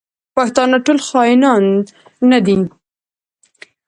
پښتانه ټول خاینان نه دي.